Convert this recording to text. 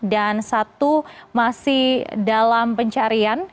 dan satu masih dalam pencarian